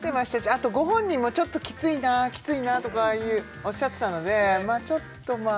あとご本人もちょっときついなきついなとかおっしゃってたのでちょっとまあ